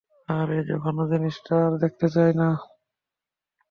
ওর ওই জঘন্য জিনিসটা আর দেখতে চাইনা।